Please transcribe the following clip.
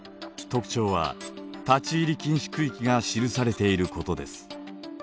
特徴は立ち入り禁止区域が記されていることです。